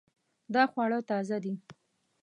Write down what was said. دا خواړه تازه دي